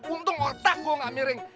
untung otak gue gak miring